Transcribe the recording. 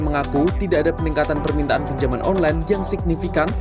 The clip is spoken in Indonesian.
mengaku tidak ada peningkatan permintaan pinjaman online yang signifikan